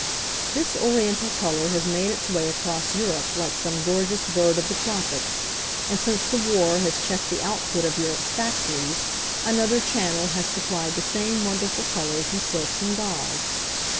This Oriental colour has made its way across Europe like some gorgeous bird of the tropics, and since the war has checked the output of Europe's factories, another channel has supplied the same wonderful colours in silks and gauze.